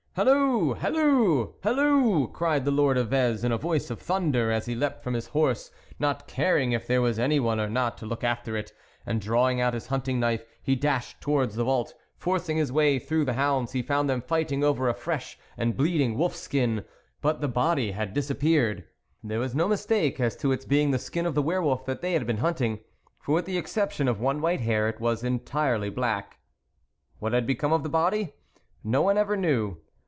"Halloo ! halloo !! halloo !! 1" cried the Lord of Vez, in a voice of thunder, as he leapt from his horse, not caring if there was anyone or not to look after it, and drawing out his hunting knife, he dashed towards the vault, forcing his way through the hounds. He found them fighting over a fresh and bleeding wolf skin, but the body had disappeared. There was no mistake as to its being the skin of the were wolf that they had been hunting, for with the exception of one white hair, it was entirely black. What had become of the body ? No one ever knew.